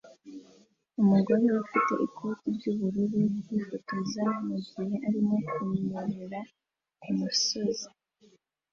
Umugore ufite ikoti ry'ubururu yifotoza mugihe arimo kunyerera kumusozi